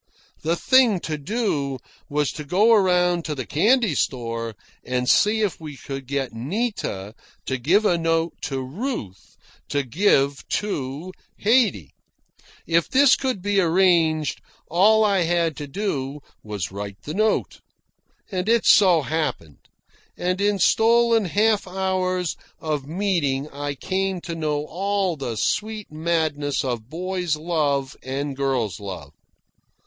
The thing to do was to go around to the candy store and see if we could get Nita to give a note to Ruth to give to Haydee. If this could be arranged, all I had to do was write the note. And it so happened. And in stolen half hours of meeting I came to know all the sweet madness of boy's love and girl's love.